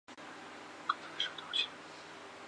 撒迦利雅是古代中东国家北以色列王国的君主。